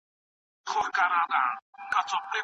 هغوی د کتابونو ټکي په ټکي زده کړل.